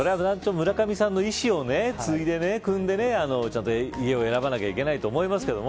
村上さんの意思を継いでくんでちゃんと家を選ばなきゃいけないと思いますけど。